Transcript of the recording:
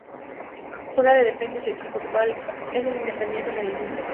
Juega de defensa y su equipo actual es el Independiente Medellín.